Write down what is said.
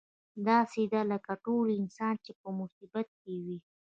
داسې ده لکه ټول انسانان چې په مصیبت کې وي.